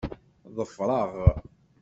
Ḍfer-aɣ.